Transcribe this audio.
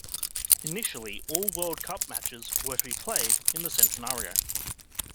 Initially, all World Cup matches were to be played in the Centenario.